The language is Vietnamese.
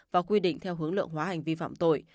và quy định theo hướng lượng hóa hành vi phạm tội